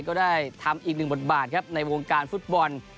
ก็ได้ทำอีกหนึ่งบทบาทครับในวงการฟุตบอล